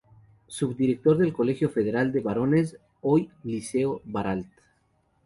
Subdirector del Colegio Federal de Varones, hoy liceo Baralt.